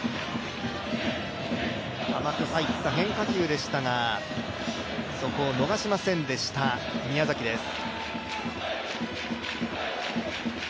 甘く入った変化球でしたが、そこを逃しませんでした宮崎です。